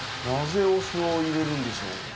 なぜお酢を入れるんでしょう？